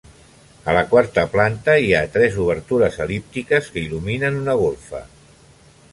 A la quarta planta hi ha tres obertures el·líptiques que il·luminen una golfa.